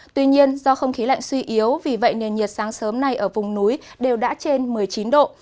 tuy nhiên do không khí lạnh suy yếu vì vậy nền nhiệt sáng sớm này ở vùng núi đều đã trên một mươi chín độ